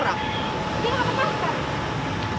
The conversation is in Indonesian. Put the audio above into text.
jarak apa masker